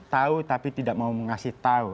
tahu tapi tidak mau mengasih tahu